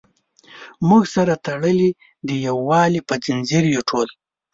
موږ سره تړلي د یووالي په زنځیر یو ټول.